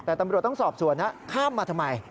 แต่ตำรวจต้องสอบสวนนะข้ามมาทำไม